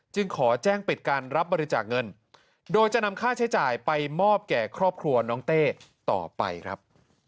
ขอแจ้งปิดการรับบริจาคเงินโดยจะนำค่าใช้จ่ายไปมอบแก่ครอบครัวน้องเต้ต่อไปครับ